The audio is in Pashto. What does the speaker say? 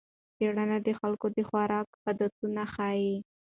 څېړنه د خلکو د خوراک عادتونه ښيي.